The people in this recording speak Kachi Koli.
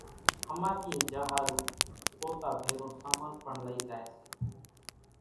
ۿماۮيئين جا ۿارُو پوتا ڀيرون سامان پڻ لئي زائي سي